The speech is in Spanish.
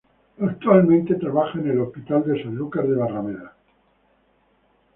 Actualmente trabaja en el hospital de Sanlúcar de Barrameda.